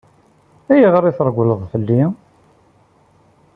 Ayɣer i treggleḍ fell-i?